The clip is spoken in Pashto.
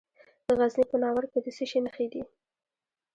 د غزني په ناور کې د څه شي نښې دي؟